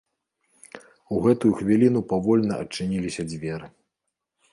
У гэту хвіліну павольна адчыніліся дзверы.